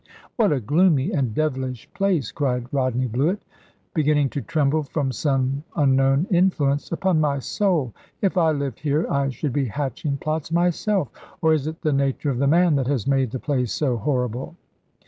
"What a gloomy and devilish place!" cried Rodney Bluett, beginning to tremble from some unknown influence. "Upon my soul, if I lived here, I should be hatching plots myself. Or is it the nature of the man that has made the place so horrible?"